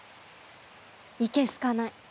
いけ好かない。